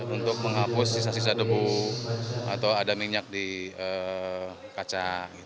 untuk menghapus sisa sisa debu atau ada minyak di kaca